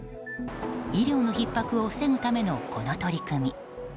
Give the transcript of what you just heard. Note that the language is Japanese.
医療のひっ迫を防ぐためのこの取り組み。